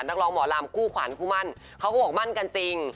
นักร้องหมอลำคู่ขวัญคู่มั่นเขาก็บอกมั่นกันจริง